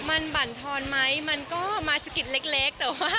มันบรรทอนไหมมันก็มาสกิดเล็ก